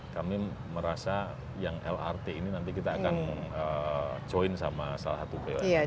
kami merasa yang lrt ini nanti kita akan join sama salah satu pln